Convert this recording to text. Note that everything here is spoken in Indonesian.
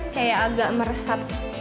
kayak agak meresap